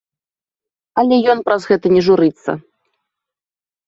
Але ён праз гэта не журыцца.